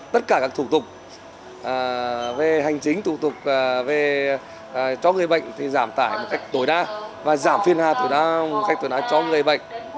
tất cả các thủ tục về hành chính thủ tục cho người bệnh thì giảm tải một cách tối đa và giảm phiên hà tối đa một cách tối đa cho người bệnh